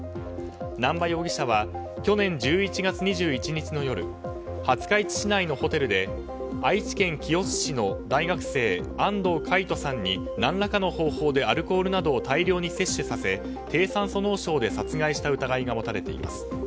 南波容疑者は去年１１月２１日の夜廿日市市内のホテルで愛知県清須市の大学生安藤魁人さんに何らかの方法でアルコールを大量に摂取させ低酸素脳症で殺害した疑いが持たれています。